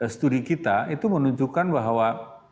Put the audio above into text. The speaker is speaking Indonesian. studi kita itu menunjukkan bahwa